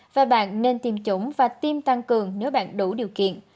và bạn nên tiêm chủng và tiêm tăng cường nếu bạn đủ điều kiện